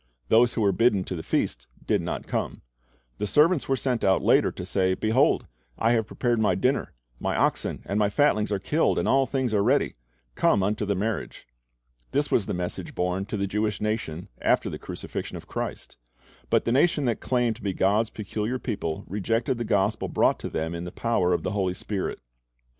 Those who were bidden to the feast did not come. The servants were sent out later to say, "Behold, I have prepared my dinner; my oxen and my fatlings are killed, and all things are ready: come unto the marriage." This was the message borne to the Jewish nation after the crucifixion of Christ; but the nation that claimed to be God's peculiar people rejected the gospel brought to them in the power of the Holy Spirit.